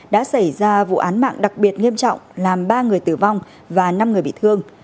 đã xảy ra vụ án mạng đặc biệt nghiêm trọng làm ba người tử vong và năm người bị thương